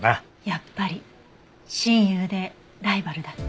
やっぱり親友でライバルだった。